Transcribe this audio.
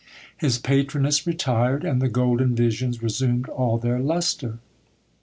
His patroness retired, and the golden visions resumed all their lustre.